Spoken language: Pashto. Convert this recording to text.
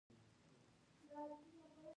د ګرماب کلی موقعیت